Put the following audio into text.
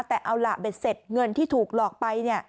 แต่เอาละเสร็จเงินที่ถูกหลอกไป